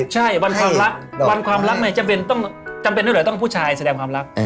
ใช่วันความรักไม่จำเป็นต้องผู้ชายแสดงความรัก